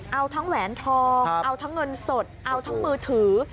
เอาทั้งแหวนทองเอาทั้งเงินสดเอาทั้งมือถือ